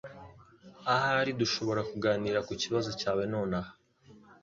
Ahari dushobora kuganira kukibazo cyawe nonaha.